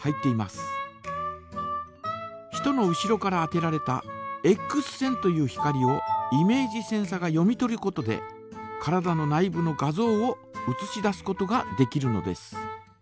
人の後ろから当てられたエックス線という光をイメージセンサが読み取ることで体の内部の画像をうつし出すことができるのです。